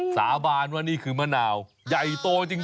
สาบานว่านี่คือมะนาวใหญ่โตจริง